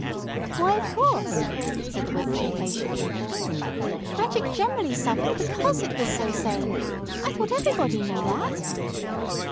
"Why, of course," said the witch impatiently. "Magic generally suffered because it was so sane. I thought everybody knew that."